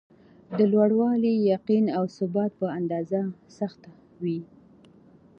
د لوړوالي ،یقین او ثبات په اندازه سخته وي.